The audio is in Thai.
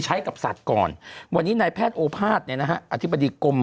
ใช้กับสัตว์ก่อนวันนี้นายแพทย์โอภาษย์เนี่ยนะฮะอธิบดีกรม